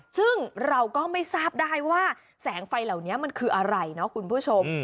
ซึ่งเราก็ไม่ทราบได้ว่าแสงไฟเหล่านี้มันคืออะไรเนาะคุณผู้ชม